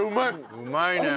うまいね。